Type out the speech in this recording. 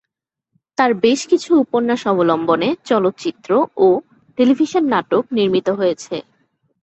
তার বেশ কিছু উপন্যাস অবলম্বনে চলচ্চিত্র ও টেলিভিশন নাটক নির্মিত হয়েছে।